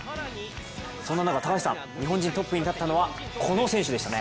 そんな中、高橋さん、日本人トップに立ったのは、この選手でしたね。